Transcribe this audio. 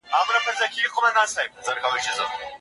کمونيسټ سړي د خپل ذهن په زور ټول خنډونه له منځه یووړل.